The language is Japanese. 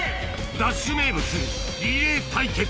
『ＤＡＳＨ』名物リレー対決